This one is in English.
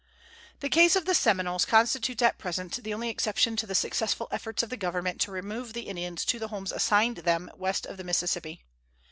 The case of the Seminoles constitutes at present the only exception to the successful efforts of the Government to remove the Indians to the homes assigned them west of the Mississippi.